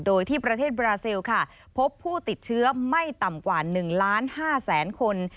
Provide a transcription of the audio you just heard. โดยที่ประเทศบราเซลพบผู้ติดเชื้อไม่ต่ำกว่า๑๕๐๐๐๐๐คน